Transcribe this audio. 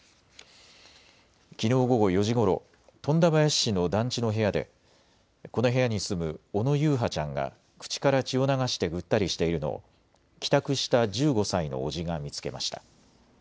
きのう午後４時ごろ、富田林市の団地の部屋でこの部屋に住む小野優陽ちゃんが口から血を流してぐったりしているのを帰宅した１５歳のおじが見つけました。